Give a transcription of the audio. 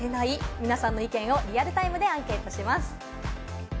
皆さんの意見をリアルタイムでアンケートします。